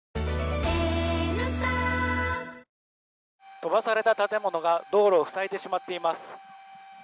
飛ばされた建物が道路を塞いでしまっています。